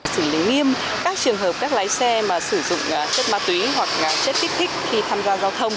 xử lý nghiêm các trường hợp các lái xe sử dụng chất ma túy hoặc chất kích thích khi tham gia giao thông